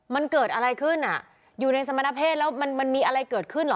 มันเกิดอะไรขึ้นอ่ะอยู่ในสมณเพศแล้วมันมีอะไรเกิดขึ้นเหรอ